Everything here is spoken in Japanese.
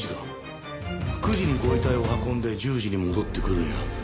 ９時にご遺体を運んで１０時に戻ってくるには。